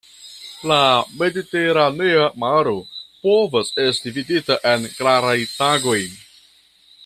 La Mediteranea Maro povas esti vidita en klaraj tagoj.